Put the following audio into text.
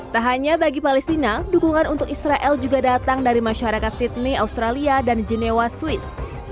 tak hanya bagi palestina dukungan untuk israel juga datang dari masyarakat sydney australia dan genewa swiss